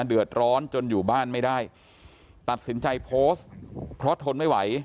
เดือดร้อนจนอยู่บ้านไม่ได้ตัดสินใจโพสต์เพราะทนไม่ไหว